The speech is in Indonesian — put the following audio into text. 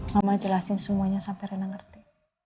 mama jelasin semuanya sampai renang ngerti